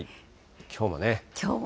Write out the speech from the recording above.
きょうも。